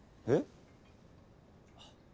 えっ？